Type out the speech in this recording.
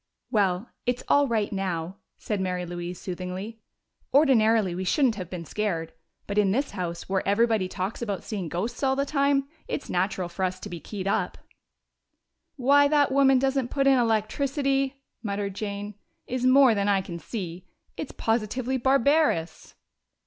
"Well, it's all right now," said Mary Louise soothingly. "Ordinarily we shouldn't have been scared. But in this house, where everybody talks about seeing ghosts all the time, it's natural for us to be keyed up." "Why that woman doesn't put in electricity," muttered Jane, "is more than I can see. It's positively barbarous!"